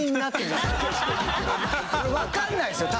わかんないですよ。